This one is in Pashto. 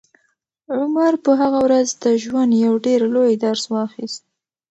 عمر په هغه ورځ د ژوند یو ډېر لوی درس واخیست.